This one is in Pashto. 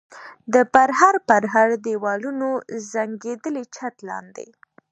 د پرهر پرهر دېوالونو زنګېدلي چت لاندې.